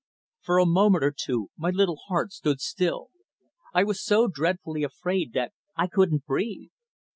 For a moment or two my little heart stood still. I was so dreadfully afraid that I couldn't breathe.